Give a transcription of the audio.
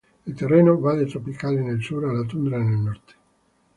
El terreno va de tropical en el sur a la tundra en el norte.